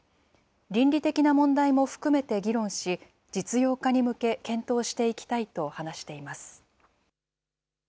倫理的な問題も含めて議論し、実用化に向けて検討していきたいと話しています。